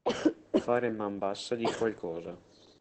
Far man bassa di qualcosa.